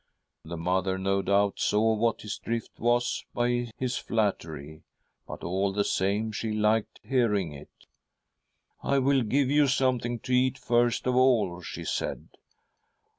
The mother, no doubt, saw what his drift was by his flattery,, but, all the same, she liked hearing it. .' I will give you something to eat first of all,' she said.